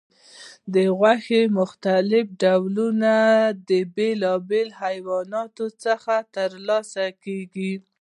د غوښې مختلف ډولونه د بیلابیلو حیواناتو څخه ترلاسه کېږي.